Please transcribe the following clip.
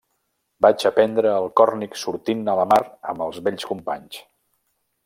Vaig aprendre el còrnic sortint a la mar amb els vells companys.